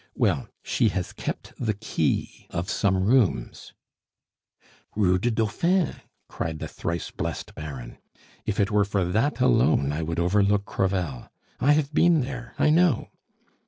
Well, she has kept the key of some rooms " "Rue du Dauphin!" cried the thrice blest Baron. "If it were for that alone, I would overlook Crevel. I have been there; I know."